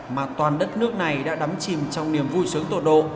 mà toàn đất nước này đã đắm chìm trong niềm vui sướng tổ độ